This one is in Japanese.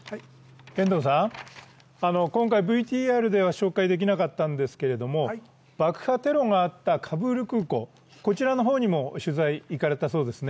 今回、ＶＴＲでは紹介できなかったんですけれども爆破テロがあったカブール空港にも取材に行かれたそうですね。